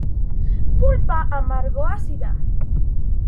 Pulpa amargo-ácida.